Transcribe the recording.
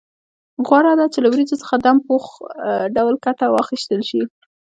غوره ده چې له وریجو څخه دم پوخ ډول ګټه واخیستل شي.